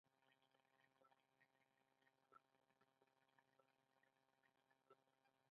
د علامه رشاد لیکنی هنر مهم دی ځکه چې جهاد ملاتړ کوي.